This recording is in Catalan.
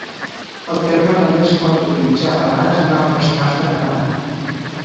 El terme també es pot utilitzar a vegades en altres parts de Canadà.